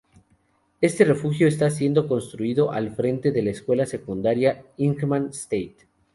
Éste refugio está siendo construido al frente d ela Escuela Secundaria Ingham State.